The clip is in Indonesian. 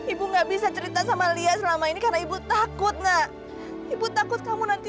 ibu nggak bisa cerita sama lia selama ini karena ibu takut nak ibu takut kamu nanti